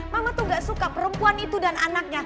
mama tuh gak suka perempuan itu dan anaknya